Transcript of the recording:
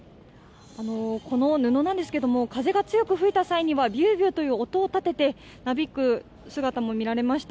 この布ですが、風が強く吹いた際にはビュービューと音を立ててなびく姿も見られました。